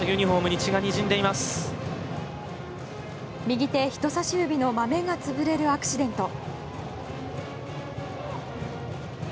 右手人差し指のマメが潰れるアクシデント。